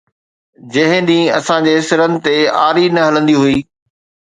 جنهن ڏينهن اسان جي سرن تي آري نه هلندي هئي